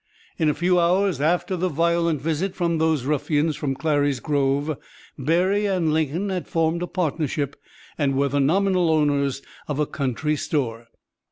In a few hours after a violent visit from those ruffians from Clary's Grove Berry and Lincoln had formed a partnership and were the nominal owners of a country store.